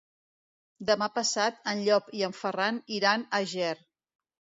Demà passat en Llop i en Ferran iran a Ger.